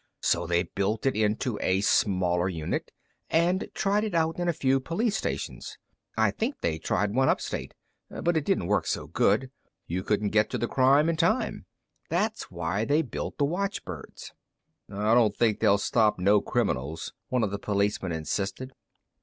So they built it into a smaller unit and tried it out in a few police stations. I think they tried one upstate. But it didn't work so good. You couldn't get to the crime in time. That's why they built the watchbirds." "I don't think they'll stop no criminals," one of the policemen insisted.